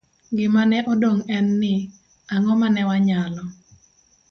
Gima ne odong ' en ni, ang'o ma ne wanyalo